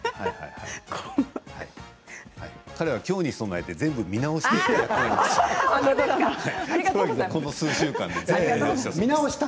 彼はきょうに備えて全部見直してきました。